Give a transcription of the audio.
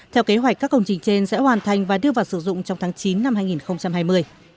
theo kế hoạch các công trình trên sẽ hoàn thành và đưa vào sử dụng trong tháng chín năm hai nghìn hai mươi